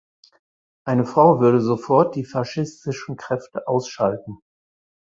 Eine Frau würde sofort die faschistischen Kräfte ausschalten.